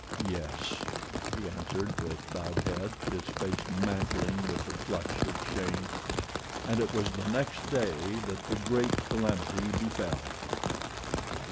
"Yes," he answered, with bowed head, his face mantling with the flush of shame. And it was the next day that the great calamity befell.